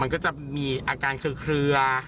มันก็จะมีอาการเพรเฯื้อ